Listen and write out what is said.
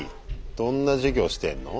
どんな授業してんの？